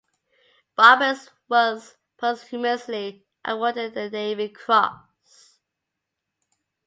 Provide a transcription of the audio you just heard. Roberts was posthumously awarded the Navy Cross.